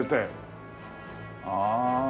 ああ。